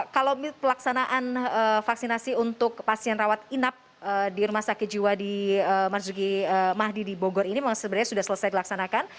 kalau pelaksanaan vaksinasi untuk pasien rawat inap di rumah sakit jiwa di marzuki mahdi di bogor ini memang sebenarnya sudah selesai dilaksanakan